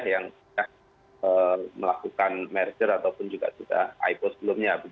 yang melakukan merger ataupun juga juga ipo sebelumnya